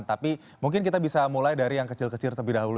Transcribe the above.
tapi mungkin kita bisa mulai dari yang kecil kecil terlebih dahulu